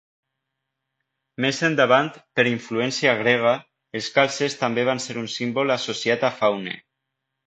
Més endavant, per influència grega, els calzes també van ser un símbol associat a Faune.